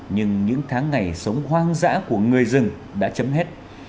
nhưng những tháng ngày sống hoang dã của người rừng đã chấm hết